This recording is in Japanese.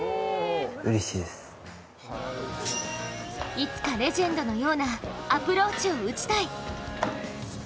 いつかレジェンドのようなアプローチを打ちたい。